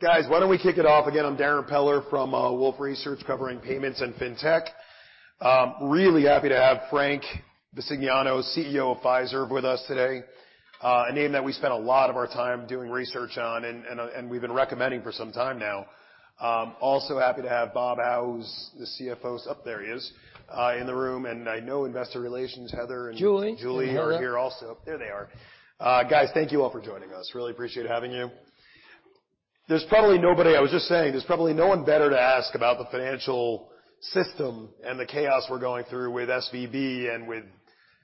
Guys, why don't we kick it off again? I'm Darrin Peller from Wolfe Research, covering payments and fintech. Really happy to have Frank Bisignano, CEO of Fiserv, with us today. A name that we spent a lot of our time doing research on and we've been recommending for some time now. Also happy to have Bob Hau, who's the CFO... Oh, there he is, in the room. I know investor relations, Heather and- Julie. Julie are here also. There they are. Guys, thank you all for joining us. Really appreciate having you. There's probably no one better to ask about the financial system and the chaos we're going through with SVB and with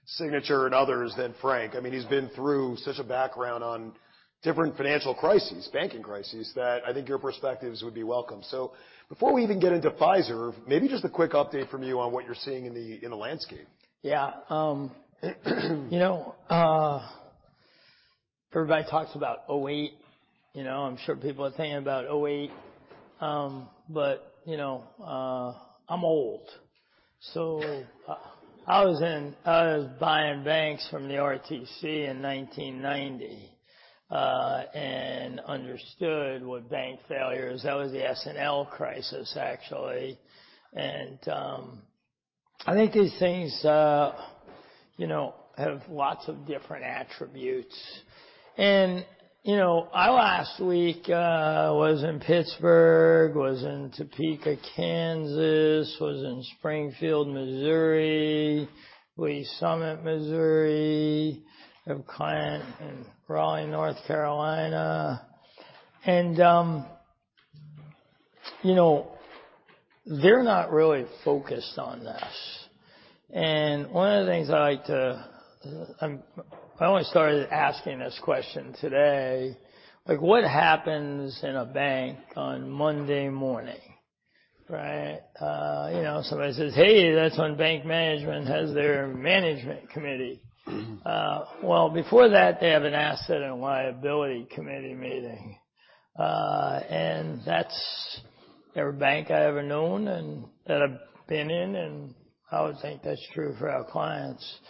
Signature and others than Frank. I mean, he's been through such a background on different financial crises, banking crises, that I think your perspectives would be welcome. Before we even get into Fiserv, maybe just a quick update from you on what you're seeing in the, in the landscape. Yeah. You know, everybody talks about 2008. You know, I'm sure people are thinking about 2008. You know, I'm old. I was buying banks from the RTC in 1990 and understood what bank failure is. That was the S&L crisis, actually. I think these things, you know, have lots of different attributes. You know, I, last week, was in Pittsburgh, was in Topeka, Kansas, was in Springfield, Missouri. We sum at Missouri. Have a client in Raleigh, North Carolina. You know, they're not really focused on this. I only started asking this question today, like, what happens in a bank on Monday morning, right? You know, somebody says, "Hey, that's when bank management has their management committee. Well, before that, they have an asset and liability committee meeting. That's every bank I've ever known and that I've been in, and I would think that's true for our clients.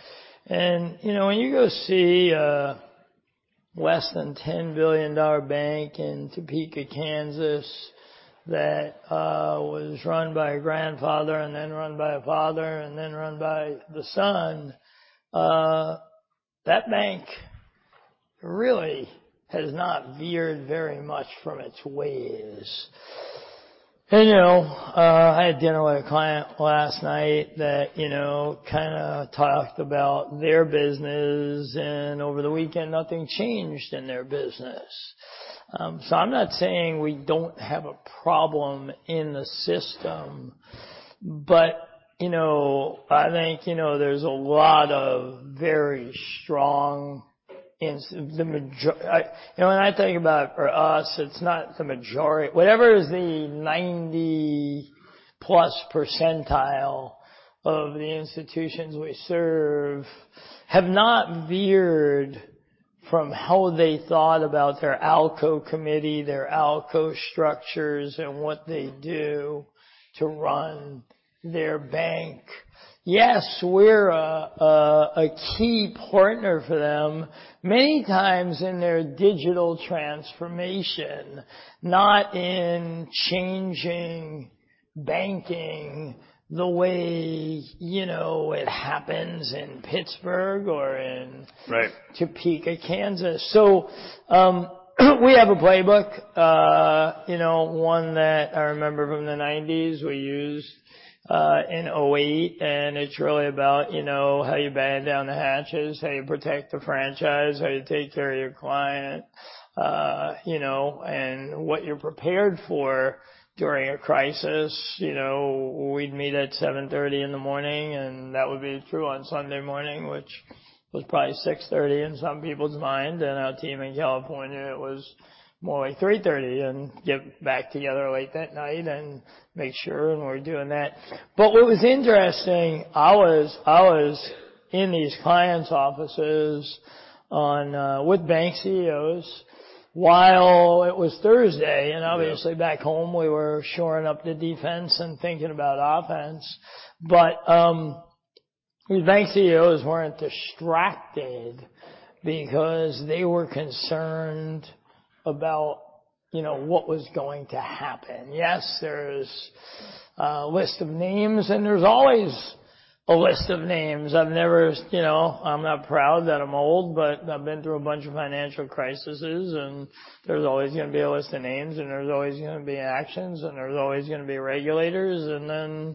You know, when you go see a less than $10 billion bank in Topeka, Kansas that was run by a grandfather and then run by a father and then run by the son, that bank really has not veered very much from its ways. You know, I had dinner with a client last night that, you know, kinda talked about their business, and over the weekend, nothing changed in their business. I'm not saying we don't have a problem in the system, but, you know, I think, you know, there's a lot of very strong ins. You know, when I think about for us, it's not the majority. Whatever is the 90+ percentile of the institutions we serve have not veered from how they thought about their ALCO committee, their ALCO structures, and what they do to run their bank. Yes, we're a key partner for them many times in their digital transformation, not in changing banking the way, you know, it happens in Pittsburgh or in. Right Topeka, Kansas. We have a playbook. You know, one that I remember from the 1990s we used in 2008, it's really about, you know, how you batten down the hatches, how you protect the franchise, how you take care of your client, you know, what you're prepared for during a crisis. You know, we'd meet at 7:30 A.M. in the morning, that would be true on Sunday morning, which was probably 6:30 A.M. in some people's mind. Our team in California, it was more like 3:30 A.M., get back together late that night and make sure we're doing that. What was interesting, I was in these clients' offices on with bank CEOs while it was Thursday. Yeah. Obviously back home we were shoring up the defense and thinking about offense. The bank CEOs weren't distracted because they were concerned about, you know, what was going to happen. Yes, there's a list of names, and there's always a list of names. I've never... You know, I'm not proud that I'm old, but I've been through a bunch of financial crisises, and there's always gonna be a list of names, and there's always gonna be actions, and there's always gonna be regulators. Then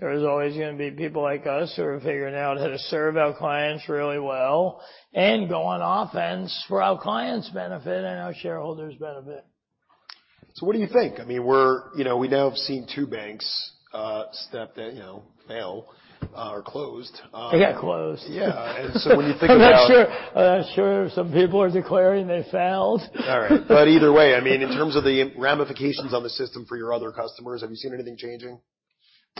there's always gonna be people like us who are figuring out how to serve our clients really well and go on offense for our clients' benefit and our shareholders' benefit. What do you think? I mean, you know, we now have seen two banks, step, you know, fail, or closed. They got closed. Yeah. When you think about. I'm not sure, I'm not sure some people are declaring they failed. All right. Either way, I mean, in terms of the ramifications on the system for your other customers, have you seen anything changing?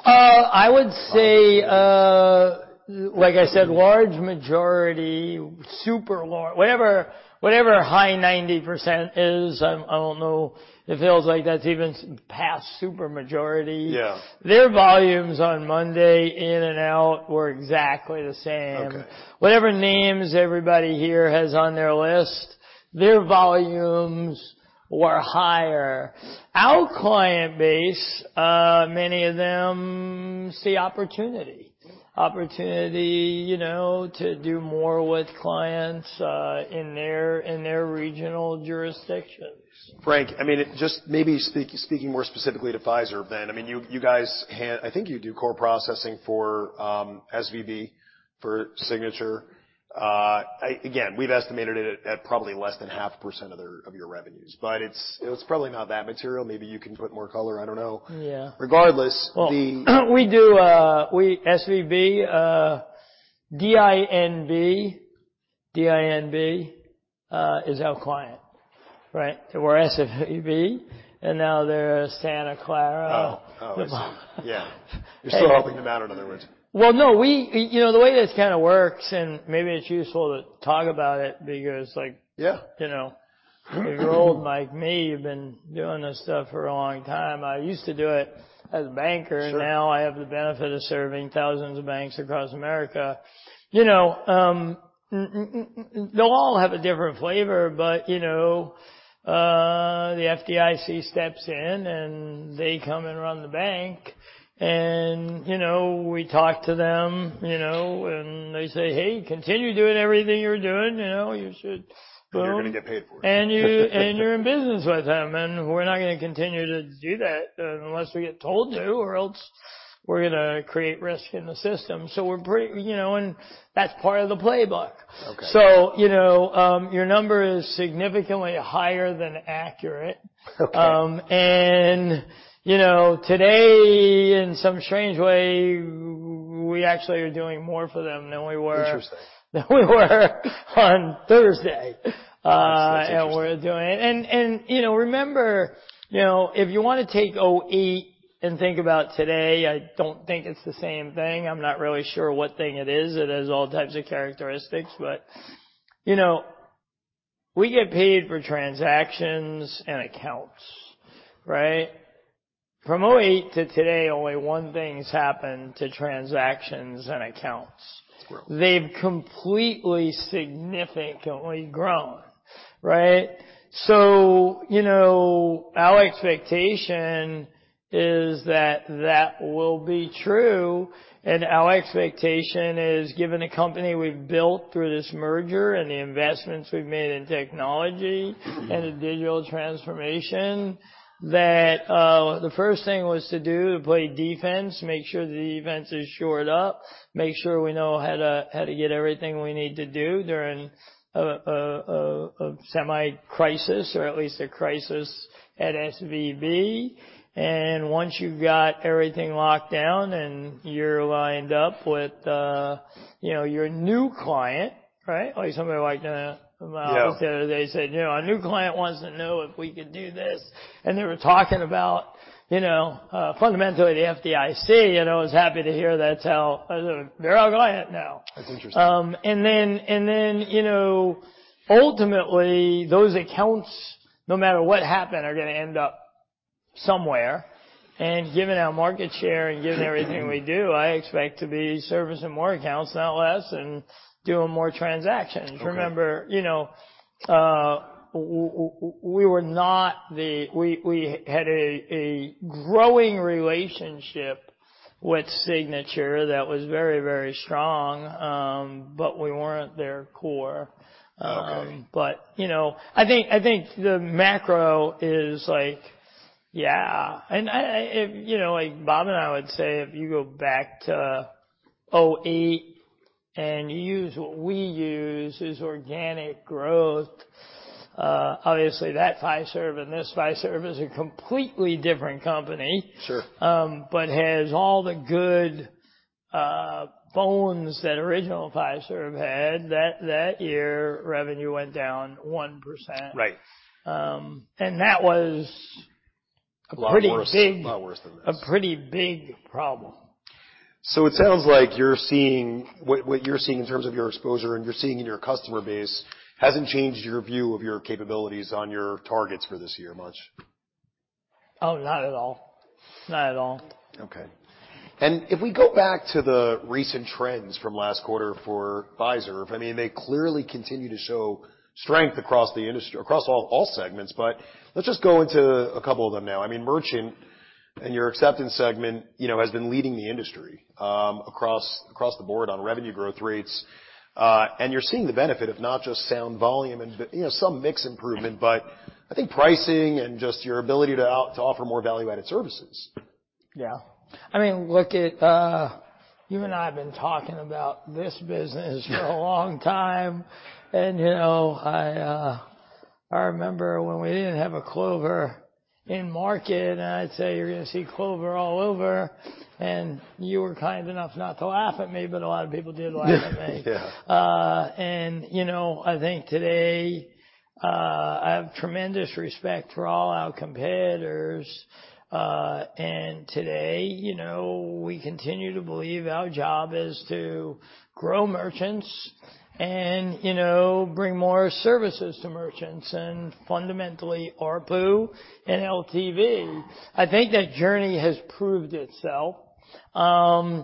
I would say, like I said, large majority, super large. Whatever high 90% is, I don't know, it feels like that's even past super majority. Yeah. Their volumes on Monday in and out were exactly the same. Okay. Whatever names everybody here has on their list, their volumes were higher. Our client base, many of them see opportunity. Opportunity, you know, to do more with clients in their, in their regional jurisdictions. Frank, I mean, just speaking more specifically to Fiserv then. I mean, you guys, I think you do core processing for SVB for Signature. Again, we've estimated it at probably less than 0.5% of your revenues, but it's probably not that material. Maybe you can put more color, I don't know? Yeah. Regardless. Well, we do SVB DINB is our client, right? They were SVB, and now they're Santa Clara. Oh. Oh. The bank. Yeah. You're still helping them out, in other words. Well, no. You know, the way this kinda works, and maybe it's useful to talk about it because, like. Yeah You know, if you're old like me, you've been doing this stuff for a long time. I used to do it as a banker. Sure. I have the benefit of serving thousands of banks across America. You know, they all have a different flavor. You know, the FDIC steps in. They come and run the bank, and you know, we talk to them, you know, and they say, "Hey, continue doing everything you're doing. You know, you should go. You're gonna get paid for it. You, and you're in business with them, and we're not gonna continue to do that unless we get told to, or else we're gonna create risk in the system. We're pre- you know, and that's part of the playbook. Okay. You know, your number is significantly higher than accurate. Okay. You know, today, in some strange way, we actually are doing more for them than we were. Interesting than we were on Thursday. That's interesting. You know, remember, you know, if you wanna take 2008 and think about today, I don't think it's the same thing. I'm not really sure what thing it is. It has all types of characteristics, you know, we get paid for transactions and accounts, right? From 2008 to today, only one thing's happened to transactions and accounts. Sure. They've completely significantly grown, right? You know, our expectation is that that will be true, and our expectation is given the company we've built through this merger and the investments we've made in technology and the digital transformation, that the first thing was to do, to play defense, make sure the defense is shored up, make sure we know how to get everything we need to do during a semi crisis or at least a crisis at SVB. Once you've got everything locked down and you're lined up with, you know, your new client, right? Like somebody like Bob- Yeah the other day said, "You know, our new client wants to know if we could do this." They were talking about, you know, fundamentally the FDIC. I was happy to hear that's how. They're our client now. That's interesting. Then, you know, ultimately those accounts, no matter what happened, are gonna end up somewhere. Given our market share and given everything we do, I expect to be servicing more accounts, not less, and doing more transactions. Okay. Remember, you know, we had a growing relationship with Signature that was very strong. We weren't their core. Okay. You know, I think the macro is like, yeah. If, you know, like Bob and I would say, if you go back to 2008 and use what we use as organic growth, obviously that Fiserv and this Fiserv is a completely different company. Sure. Has all the good bones that original Fiserv had. That, that year revenue went down 1%. Right. Um, and that was- A lot worse. a pretty big- A lot worse than this. a pretty big problem. It sounds like you're what you're seeing in terms of your exposure and you're seeing in your customer base hasn't changed your view of your capabilities on your targets for this year much. Oh, not at all. Not at all. Okay. If we go back to the recent trends from last quarter for Fiserv, I mean, they clearly continue to show strength across the industry across all segments, but let's just go into a couple of them now. I mean, merchant and your acceptance segment, you know, has been leading the industry across the board on revenue growth rates. You're seeing the benefit of not just sound volume and you know, some mix improvement, but I think pricing and just your ability to offer more Value-Added Services. Yeah. I mean, look at. You and I have been talking about this business for a long time. You know, I remember when we didn't have a Clover in market. I'd say, "You're gonna see Clover all over." You were kind enough not to laugh at me, but a lot of people did laugh at me. Yeah. You know, I think today, I have tremendous respect for all our competitors, today, you know, we continue to believe our job is to grow merchants and, you know, bring more services to merchants and fundamentally ARPU and LTV. I think that journey has proved itself. I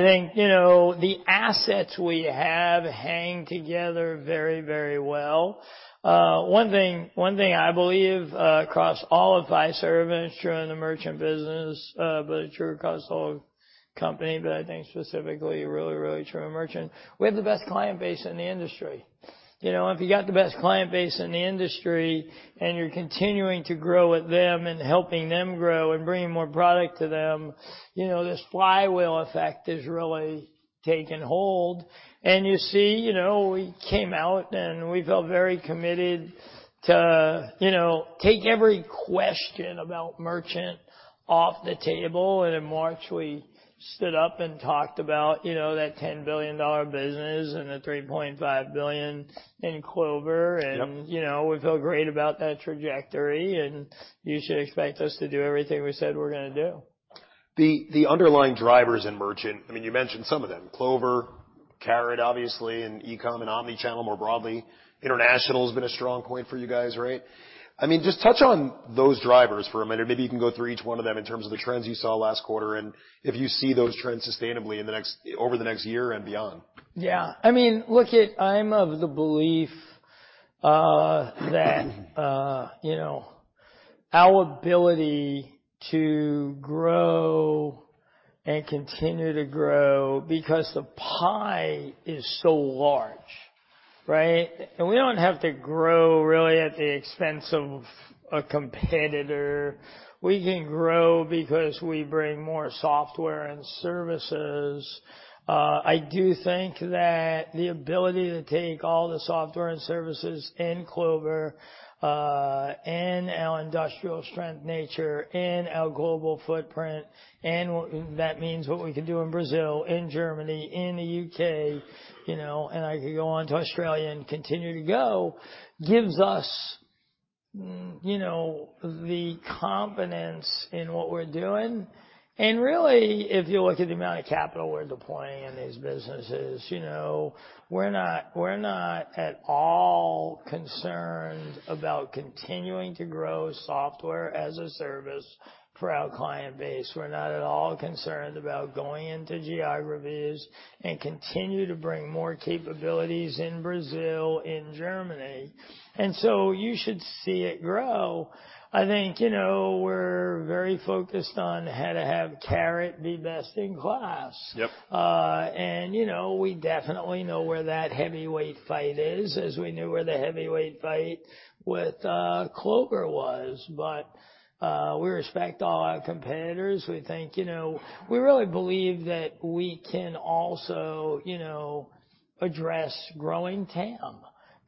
think, you know, the assets we have hang together very, very well. One thing I believe across all of Fiserv and it's true in the merchant business, but it's true across the whole company, but I think specifically really, really true in merchant, we have the best client base in the industry. You know, if you got the best client base in the industry and you're continuing to grow with them and helping them grow and bringing more product to them, you know, this flywheel effect has really taken hold. You see, you know, we came out and we felt very committed to, you know, take every question about merchant off the table. In March, we stood up and talked about, you know, that $10 billion business and the $3.5 billion in Clover. Yep. You know, we feel great about that trajectory, and you should expect us to do everything we said we're gonna do. The underlying drivers in merchant, I mean, you mentioned some of them, Clover, Carat, obviously, and eCom and omni-channel more broadly. International has been a strong point for you guys, right? I mean, just touch on those drivers for a minute. Maybe you can go through each one of them in terms of the trends you saw last quarter, and if you see those trends sustainably over the next year and beyond? Yeah. I mean, look it, I'm of the belief, that, you know, our ability to grow and continue to grow because the pie is so large, right? We don't have to grow really at the expense of a competitor. We can grow because we bring more software and services. I do think that the ability to take all the software and services in Clover, and our industrial strength nature and our global footprint, and that means what we can do in Brazil, in Germany, in the U.K., you know, and I could go on to Australia and continue to go, gives us, you know, the confidence in what we're doing. Really, if you look at the amount of capital we're deploying in these businesses, you know, we're not, we're not at all concerned about continuing to grow software as a service for our client base. We're not at all concerned about going into geographies and continue to bring more capabilities in Brazil, in Germany. You should see it grow. I think, you know, we're very focused on how to have Carat be best in class. Yep. you know, we definitely know where that heavyweight fight is, as we knew where the heavyweight fight with Clover was. We respect all our competitors. We think, you know, we really believe that we can also, you know, address growing TAM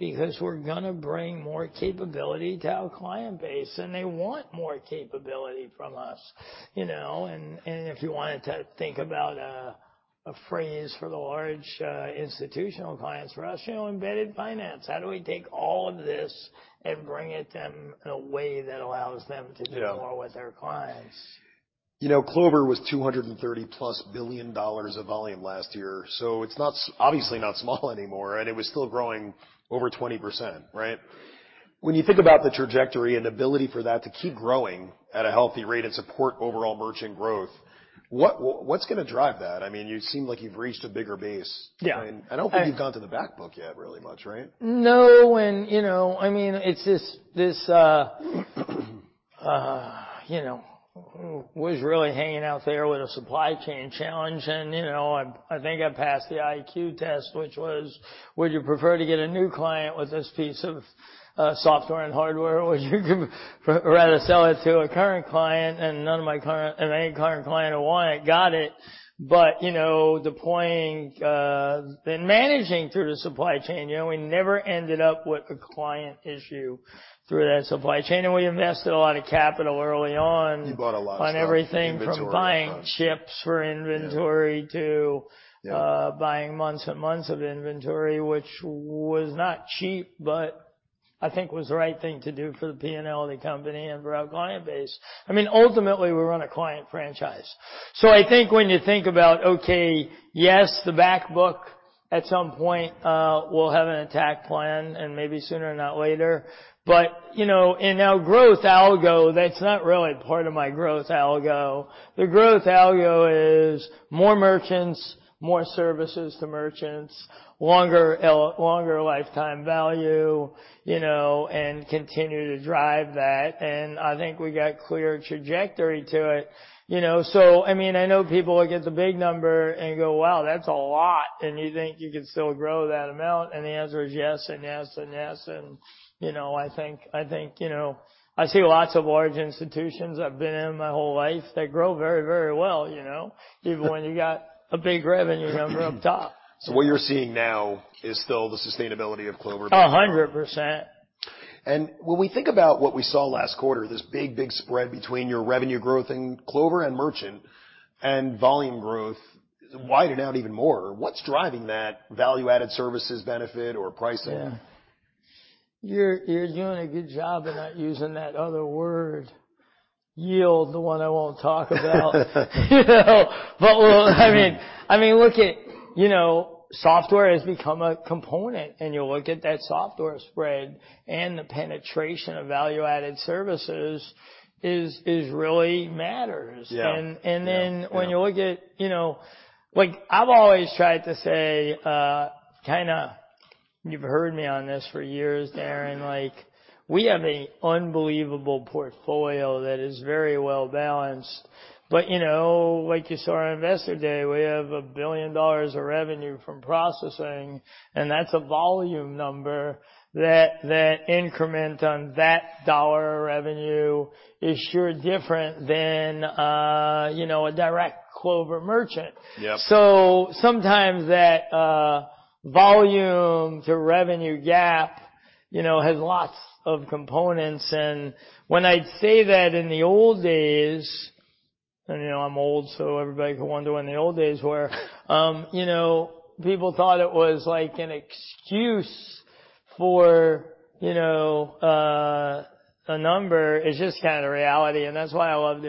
because we're gonna bring more capability to our client base, and they want more capability from us, you know. If you wanted to think about a phrase for the large institutional clients for us, you know, embedded finance. How do we take all of this and bring it to them in a way that allows them to. Yeah more with their clients? You know, Clover was $230+ billion of volume last year, so it's not obviously not small anymore, and it was still growing over 20%, right? When you think about the trajectory and ability for that to keep growing at a healthy rate and support overall merchant growth, what's gonna drive that? I mean, you seem like you've reached a bigger base. Yeah. I mean, I don't think you've gone to the back book yet really much, right? No. You know, I mean, it's this, you know, was really hanging out there with a supply chain challenge. You know, I think I passed the IQ test, which was, would you prefer to get a new client with this piece of software and hardware, or would you rather sell it to a current client? Any current client who want it, got it. You know, deploying, then managing through the supply chain, you know, we never ended up with a client issue through that supply chain. We invested a lot of capital early on- You bought a lot of stuff. on everything from buying chips for inventory. Yeah to buying months and months of inventory, which was not cheap, but I think was the right thing to do for the P&L of the company and for our client base. I mean, ultimately, we run a client franchise. I think when you think about, okay, yes, the back book at some point will have an attack plan and maybe sooner, not later. You know, in our growth algo, that's not really part of my growth algo. The growth algo is more merchants, more services to merchants, longer lifetime value, you know, and continue to drive that. I think we got clear trajectory to it. You know, so I mean, I know people look at the big number and go, "Wow, that's a lot," and you think you could still grow that amount. The answer is yes and yes and yes. You know, I think, you know, I see lots of large institutions I've been in my whole life that grow very, very well, you know, even when you got a big revenue number up top. What you're seeing now is still the sustainability of Clover. A 100%. When we think about what we saw last quarter, this big, big spread between your revenue growth in Clover and merchant and volume growth widened out even more. What's driving that value-added services benefit or pricing? Yeah. You're, you're doing a good job of not using that other word, yield, the one I won't talk about. You know. But look, I mean, I mean, look at, you know, software has become a component, and you look at that software spread and the penetration of Value-Added Services is really matters. Yeah. Then when you look at, you know, like I've always tried to say, You've heard me on this for years, Darrin. Like, we have an unbelievable portfolio that is very well-balanced. You know, like you saw on Investor Day, we have $1 billion of revenue from processing, and that's a volume number that the increment on that dollar revenue is sure different than, you know, a direct Clover merchant. Yep. Sometimes that volume to revenue gap, you know, has lots of components. When I'd say that in the old days, and, you know, I'm old, so everybody could wonder when the old days were, you know, people thought it was like an excuse for, you know, a number. It's just kinda reality, and that's why I loved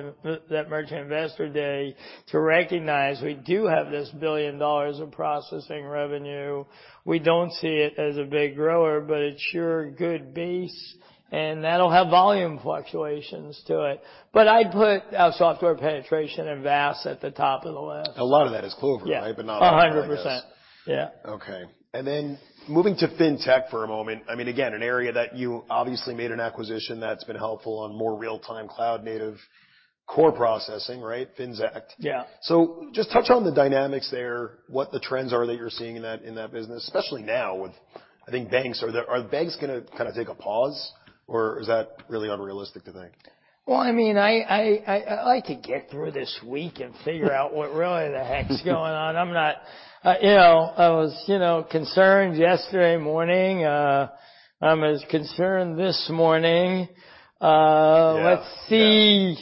that merchant investor day to recognize we do have this $1 billion of processing revenue. We don't see it as a big grower, but it's sure good base, and that'll have volume fluctuations to it. I'd put our software penetration and VaaS at the top of the list. A lot of that is Clover, right? Yeah. Not all, I guess. A 100%. Yeah. Okay. Moving to fintech for a moment. I mean, again, an area that you obviously made an acquisition that's been helpful on more real-time cloud-native core processing, right? Finxact. Yeah. Just touch on the dynamics there, what the trends are that you're seeing in that, in that business, especially now with, I think, banks. Are the banks gonna kinda take a pause, or is that really unrealistic to think? Well, I mean, I like to get through this week and figure out what really the heck's going on. I'm not. you know, I was, you know, concerned yesterday morning. I'm as concerned this morning. Yeah. let's see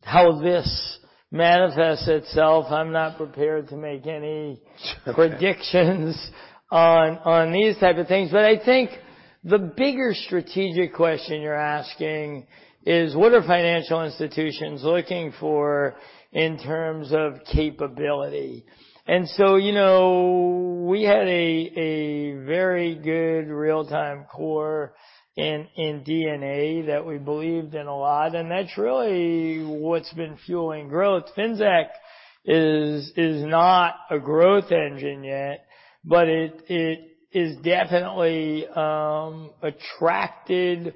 how this manifests itself. I'm not prepared to make any- Okay predictions on these type of things. I think the bigger strategic question you're asking is what are financial institutions looking for in terms of capability? You know, we had a very good real-time core in DNA that we believed in a lot, and that's really what's been fueling growth. Finxact is not a growth engine yet, but it has definitely attracted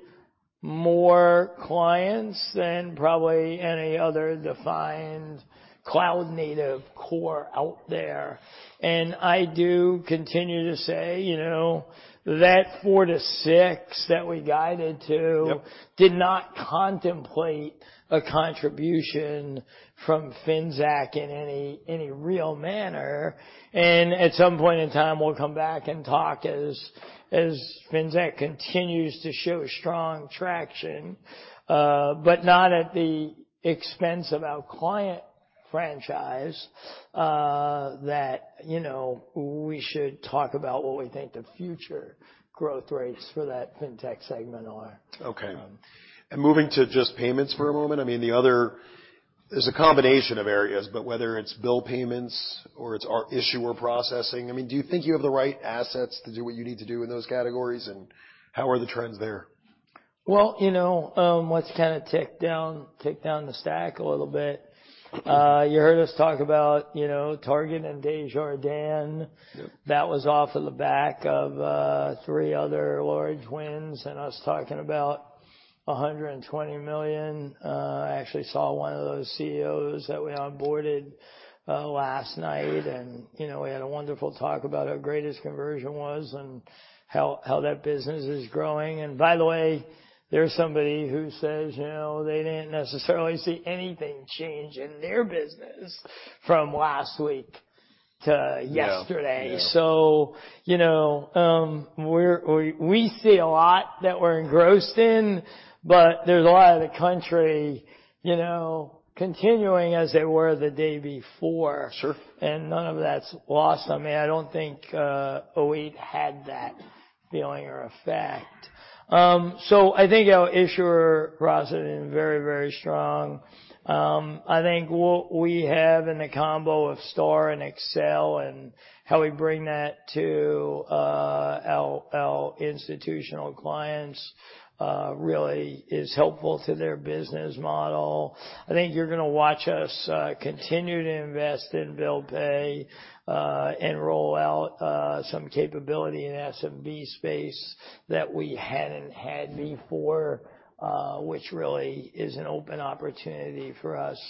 more clients than probably any other defined cloud-native core out there. I do continue to say, you know, that 4-6 that we guided to- Yep did not contemplate a contribution from Finxact in any real manner. At some point in time, we'll come back and talk as Finxact continues to show strong traction, but not at the expense of our client franchise, that, you know, we should talk about what we think the future growth rates for that fintech segment are. Okay. Moving to just payments for a moment. I mean, There's a combination of areas, but whether it's bill payments or it's our issuer processing, I mean, do you think you have the right assets to do what you need to do in those categories, and how are the trends there? Well, you know, let's kinda tick down the stack a little bit. You heard us talk about, you know, Target and Desjardins. Yep. That was off of the back of, three other large wins, and us talking about $120 million. I actually saw one of those CEOs that we onboarded, last night. You know, we had a wonderful talk about how great his conversion was and how that business is growing. By the way, there's somebody who says, you know, they didn't necessarily see anything change in their business from last week to yesterday. Yeah. Yeah. You know, we see a lot that we're engrossed in, but there's a lot of the country, you know, continuing as they were the day before. Sure. None of that's lost on me. I don't think O8 had that feeling or effect. I think our issuer processing is very, very strong. I think what we have in the combo of STAR and Accel and how we bring that to our institutional clients really is helpful to their business model. I think you're gonna watch us continue to invest in Bill Pay and roll out some capability in the SMB space that we hadn't had before, which really is an open opportunity for us.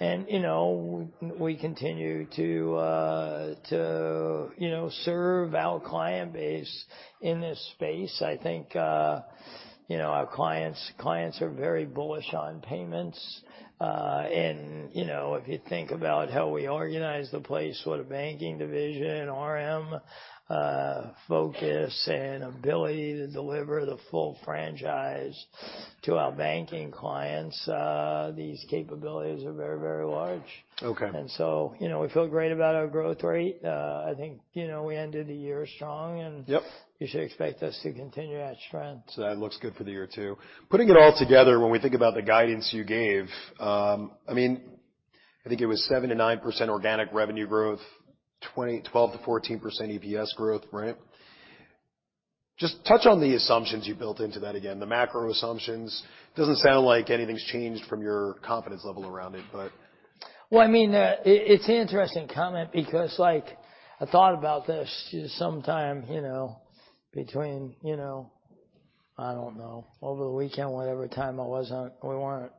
And, you know, we continue to, you know, serve our client base in this space. I think, you know, our clients are very bullish on payments. You know, if you think about how we organize the place with a banking division, RM focus and ability to deliver the full franchise to our banking clients, these capabilities are very, very large. Okay. You know, we feel great about our growth rate. I think, you know, we ended the year strong. Yep you should expect us to continue that trend. That looks good for the year two. Putting it all together, when we think about the guidance you gave, I mean, I think it was 7%-9% organic revenue growth, 12%-14% EPS growth, right? Just touch on the assumptions you built into that again, the macro assumptions. Doesn't sound like anything's changed from your confidence level around it, but? Well, I mean, it's an interesting comment because, like, I thought about this just sometime, you know, between, you know, I don't know, over the weekend, whatever time we weren't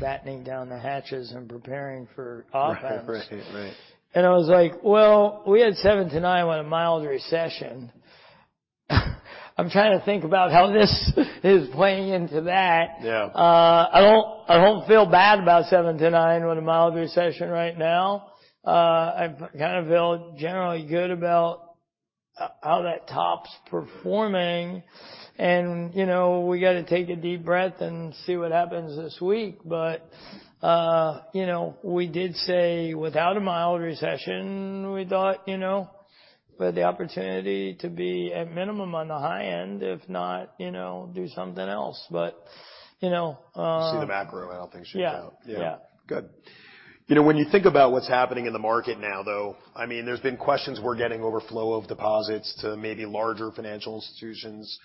battening down the hatches and preparing for offense. Right. Right. I was like, well, we had 7%-9% with a mild recession. I'm trying to think about how this is playing into that. Yeah. I don't feel bad about 7%-9% with a mild recession right now. I kind of feel generally good about how that top's performing. You know, we gotta take a deep breath and see what happens this week. You know, we did say, without a mild recession, we thought, you know, we had the opportunity to be at minimum on the high end, if not, you know, do something else. You know. You see the macro, how things shake out. Yeah. Yeah. Good. You know, when you think about what's happening in the market now, though, I mean, there's been questions we're getting overflow of deposits to maybe larger financial institutions,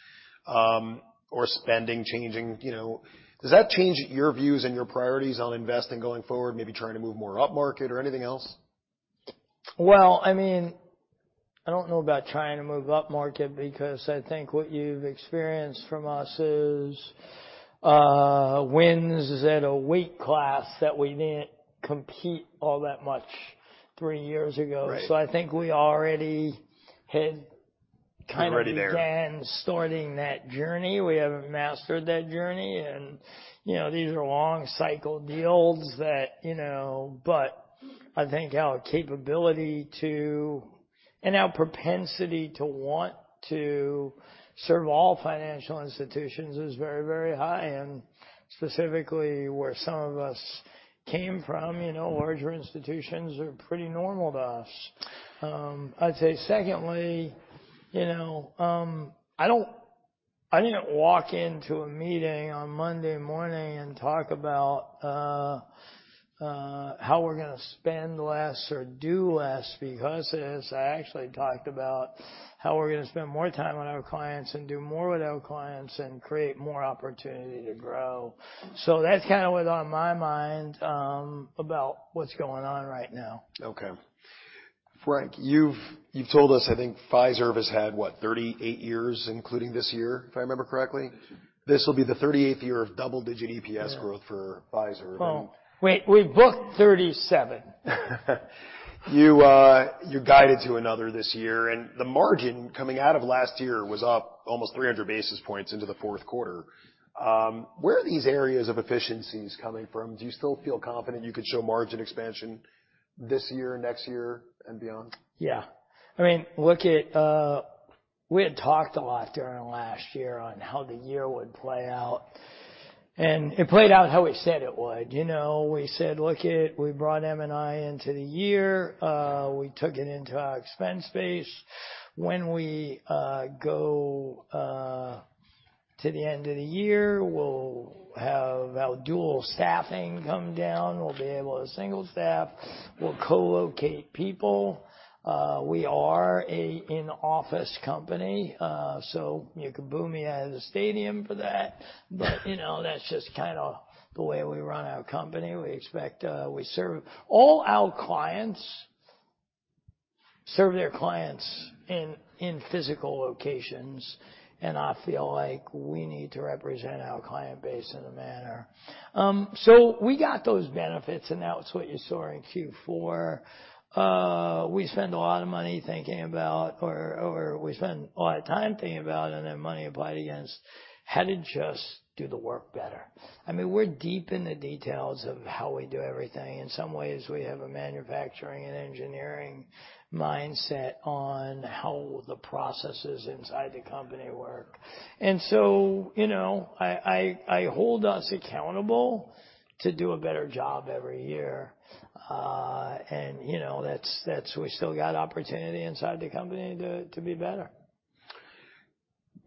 or spending changing, you know. Does that change your views and your priorities on investing going forward, maybe trying to move more upmarket or anything else? Well, I mean, I don't know about trying to move upmarket because I think what you've experienced from us is wins is at a weak class that we didn't compete all that much three years ago. Right. I think we already had. You're already there. began starting that journey. We haven't mastered that journey and, you know, these are long cycle deals that, you know. I think our capability to, and our propensity to want to serve all financial institutions is very, very high. Specifically, where some of us came from, you know, larger institutions are pretty normal to us. I didn't walk into a meeting on Monday morning and talk about how we're gonna spend less or do less because of this. I actually talked about how we're gonna spend more time with our clients and do more with our clients and create more opportunity to grow. That's kinda what's on my mind about what's going on right now. Okay. Frank, you've told us, I think Fiserv has had, what? 38 years, including this year, if I remember correctly. This will be the 38th year of double-digit EPS growth for Fiserv. Well, we booked $37. You, you guided to another this year, and the margin coming out of last year was up almost 300 basis points into the fourth quarter. Where are these areas of efficiencies coming from? Do you still feel confident you could show margin expansion this year, next year and beyond? Yeah. I mean, look at, we had talked a lot during last year on how the year would play out. It played out how we said it would. You know, we said, look at, we brought M&I into the year. We took it into our expense base. When we go to the end of the year, we'll have our dual staffing come down. We'll be able to single staff. We'll co-locate people. We are a in-office company, so you can boo me out of the stadium for that. You know, that's just kinda the way we run our company. We expect, all our clients serve their clients in physical locations, and I feel like we need to represent our client base in a manner. We got those benefits, and that was what you saw in Q4. We spend a lot of money thinking about or we spend a lot of time thinking about and then money applied against how to just do the work better. I mean, we're deep in the details of how we do everything. In some ways, we have a manufacturing and engineering mindset on how the processes inside the company work. You know, I hold us accountable to do a better job every year. You know, that's, we still got opportunity inside the company to be better.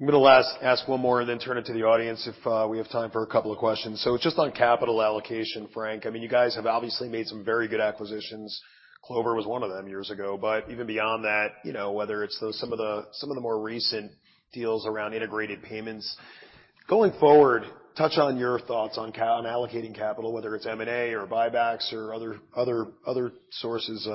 I'm gonna ask one more and then turn it to the audience if we have time for a couple of questions. Just on capital allocation, Frank, I mean, you guys have obviously made some very good acquisitions. Clover was one of them years ago. Even beyond that, you know, whether it's some of the more recent deals around integrated payments. Going forward, touch on your thoughts on allocating capital, whether it's M&A or buybacks or other sources,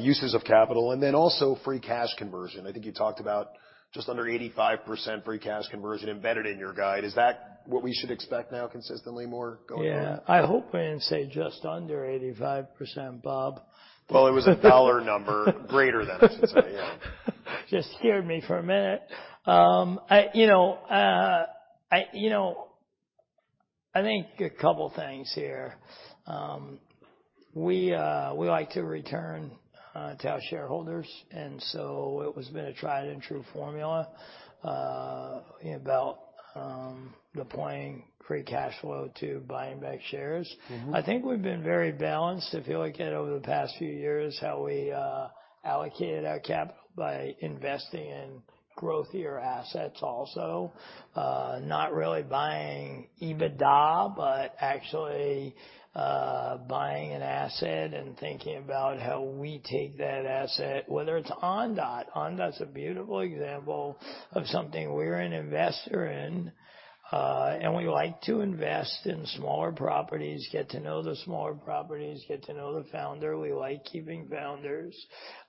uses of capital, and then also free cash conversion. I think you talked about just under 85% free cash conversion embedded in your guide. Is that what we should expect now consistently more going forward? Yeah. I hope I didn't say just under 85%, Bob. Well, it was a dollar number, greater than, I should say. Yeah. Just scared me for a minute. I, you know, I think a couple of things here. We like to return to our shareholders. It has been a tried and true formula, about deploying free cash flow to buying back shares. I think we've been very balanced, I feel like, over the past few years, how we allocated our capital by investing in growthier assets also. Not really buying EBITDA, but actually buying an asset and thinking about how we take that asset, whether it's Ondot. Ondot's a beautiful example of something we're an investor in. We like to invest in smaller properties, get to know the smaller properties, get to know the founder. We like keeping founders.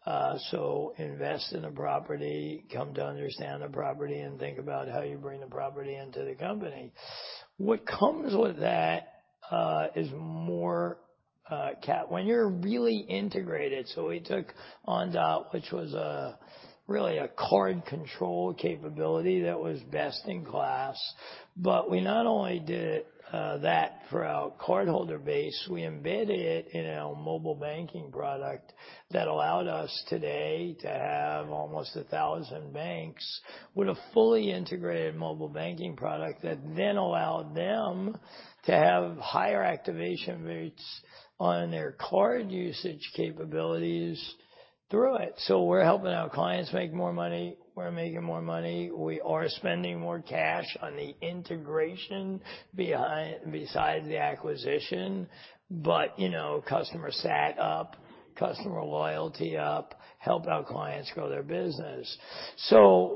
Invest in a property, come to understand the property and think about how you bring the property into the company. What comes with that is more cap. When you're really integrated, so we took Ondot, which was really a card control capability that was best in class. We not only did that for our cardholder base, we embedded it in our mobile banking product that allowed us today to have almost 1,000 banks with a fully integrated mobile banking product that then allowed them to have higher activation rates on their card usage capabilities through it. We're helping our clients make more money. We're making more money. We are spending more cash on the integration beside the acquisition. You know, customer sat up, customer loyalty up, helping our clients grow their business.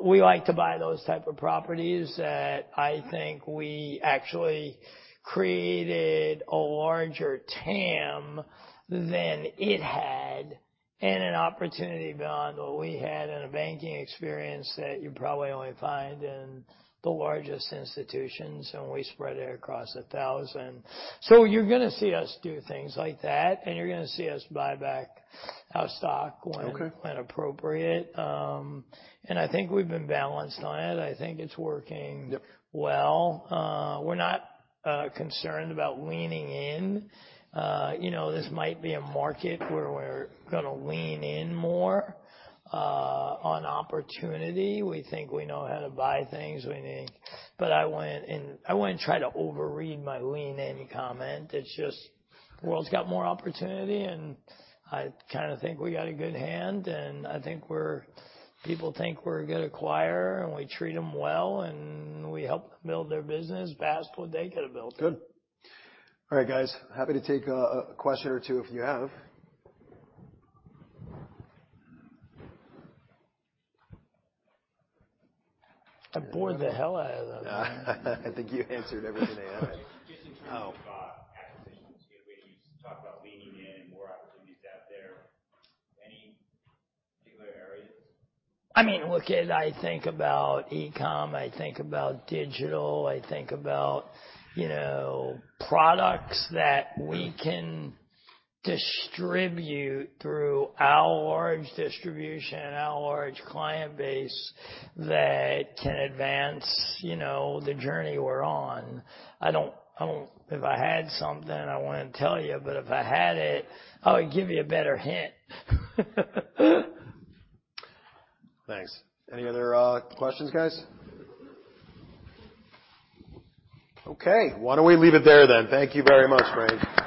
We like to buy those type of properties that I think we actually created a larger TAM than it had, and an opportunity beyond what we had in a banking experience that you probably only find in the largest institutions, and we spread it across 1,000. You're gonna see us do things like that, and you're gonna see us buy back our stock. Okay. when appropriate. I think we've been balanced on it. I think it's working. Yep. well. We're not concerned about leaning in. You know, this might be a market where we're gonna lean in more on opportunity. We think we know how to buy things. We think. I wouldn't, and I wouldn't try to overread my lean in comment. It's just, world's got more opportunity, and I kinda think we got a good hand, and I think people think we're a good acquirer, and we treat them well, and we help them build their business fast when they get built in. Good. All right, guys. Happy to take a question or two if you have. I bored the hell out of them. I think you answered everything they had. Oh. Just in terms of acquisitions, you know, Wade, you talked about leaning in, more opportunities out there. Any particular areas? I mean, look, I think about e-com, I think about digital, I think about, you know, products that we can distribute through our large distribution and our large client base that can advance, you know, the journey we're on. If I had something, I wouldn't tell you. If I had it, I would give you a better hint. Thanks. Any other questions, guys? Okay, why don't we leave it there then? Thank you very much, Frank.